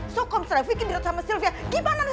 so come setelah vicky dirawat sama sylvia gimana nasib kita